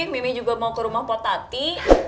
mimi juga mau ke rumah potati